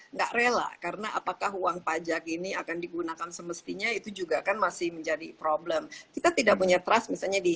nggak rela karena apakah uang pajak ini akan digunakan semestinya itu juga kan masih menjadi problem kita tidak punya trust misalnya di